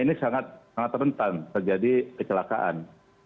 ini sangat rentan terjadi kecelakaan